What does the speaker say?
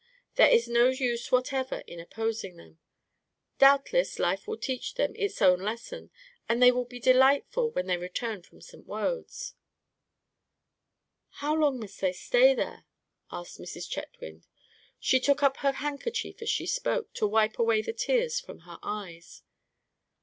There is no use whatever in opposing them. Doubtless life will teach them its own lesson, and they will be delightful when they return from St. Wode's." "How long must they stay there?" asked Mrs. Chetwynd. She took up her handkerchief as she spoke, to wipe away the tears from her eyes.